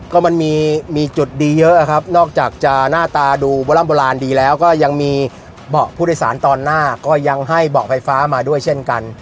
ก็มันมีจุดดีเยอะครับนอกจากจะหน้าตาดูโบร่ำโบราณดีแล้วก็ยังมีเบาะผู้โดยสารตอนหน้าก็ยังให้เบาะไฟฟ้ามาด้วยเช่นกัน